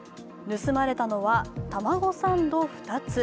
盗まれたのはタマゴサンド２つ。